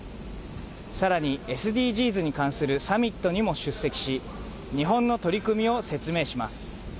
さらにＳＤＧｓに関するサミットにも出席し、日本の取り組みを説明します。